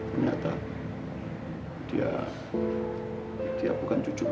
ternyata dia bukan cucuku